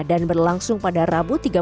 dan berlangsung pada rabu tiga puluh